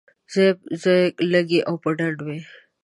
ځای ځای لږې اوبه ډنډ وې.